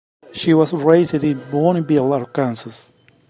She was raised in Booneville, Arkansas.